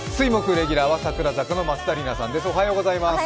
レギュラーは櫻坂の松田里奈さんです。